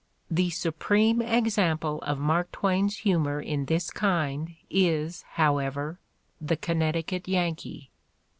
The supreme example of Mark Twain's humor in this kind is, however, the "Connecticut Yankee."